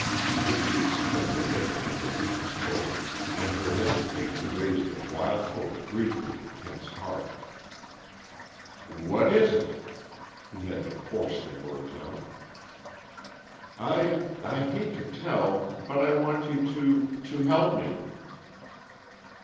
Her cheeks turned a bit pinker as she spoke, and her hesitation raised a wild hope briefly in Kent's heart. "What is it?" He had to force the words out. "I I hate to tell, but I want you to to help me."